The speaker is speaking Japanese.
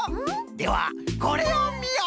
ではこれをみよ！